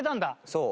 そう。